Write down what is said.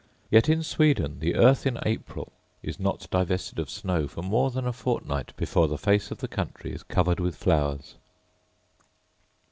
Yet in Sweden the earth in April is not divested of snow for more than a fortnight before the face of the country is covered with flowers.